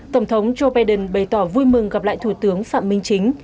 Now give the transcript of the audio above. tổng thống joe biden bày tỏ vui mừng gặp lại thủ tướng phạm minh chính